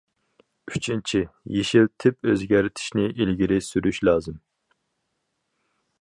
ئۈچىنچى، يېشىل تىپ ئۆزگەرتىشنى ئىلگىرى سۈرۈش لازىم.